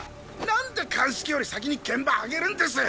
なんで鑑識より先に現場上げるんです⁉